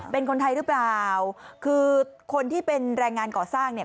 เป็นคนไทยหรือเปล่าคือคนที่เป็นแรงงานก่อสร้างเนี่ย